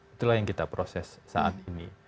itulah yang kita proses saat ini